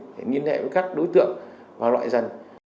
để liên hệ với các đối tượng và loại dần